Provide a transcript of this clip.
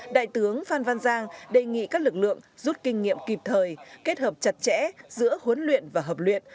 đại tướng phan văn giang đề nghị các lực lượng rút kinh nghiệm kịp thời kết hợp chặt chẽ giữa huấn luyện và hợp luyện